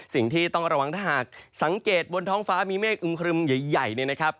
สิ่งที่ต้องระวังถ้าหากสังเกตบนท้องฟ้ามีเมฆอึมครึมใหญ่เนี่ยนะครับ